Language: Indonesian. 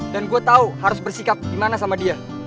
dan gue tau harus bersikap gimana sama dia